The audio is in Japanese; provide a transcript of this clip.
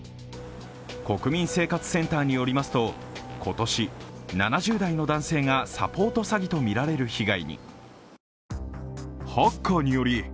国民生活センターによりますと、今年、７０代の男性がサポート詐欺とみられる被害に。